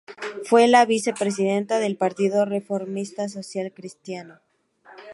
Fue la Vice Presidenta del Partido Reformista Social Cristiano.